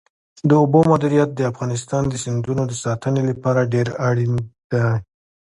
د اوبو مدیریت د افغانستان د سیندونو د ساتنې لپاره ډېر اړین دی.